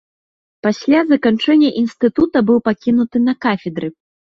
Пасля заканчэння інстытута быў пакінуты на кафедры.